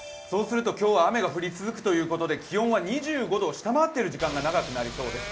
今日は雨が降り続くということで気温は２５度を下回ってる時間が長くありそうです。